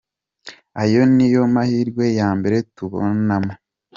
Ayo ni yo mahirwe ya mbere tubonamo.